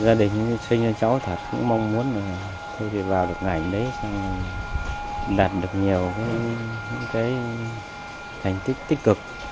gia đình sinh cho cháu thật cũng mong muốn thay vì vào được ngành đấy đạt được nhiều những cái thành tích tích cực